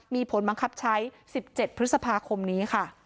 มีผลบังคับใช้๑๗พฤษภาคมนี้ค่ะ